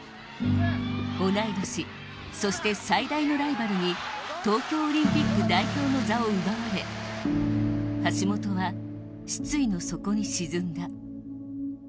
同い年、そして最大のライバルに東京オリンピック代表の座を奪われ橋本は失意の底に沈んだ。